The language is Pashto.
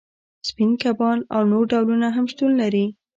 سپین کبان او نور ډولونه هم شتون لري